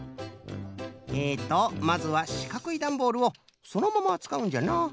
えとまずはしかくいダンボールをそのままつかうんじゃな。